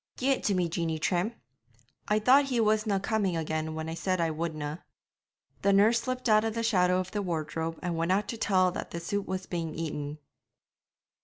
'Gie it to me, Jeanie Trim; I thought he wasna coming again when I said I wouldna.' The nurse slipped out of the shadow of the wardrobe and went out to tell that the soup was being eaten.